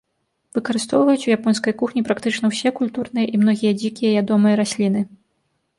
Выкарыстоўваюць у японскай кухні практычна ўсе культурныя і многія дзікія ядомыя расліны.